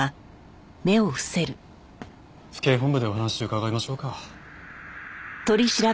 府警本部でお話伺いましょうか。